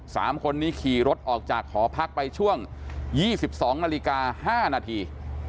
สามคนนี้ขี่รถออกจากหอพักไปช่วงยี่สิบสองนาฬิกาห้านาที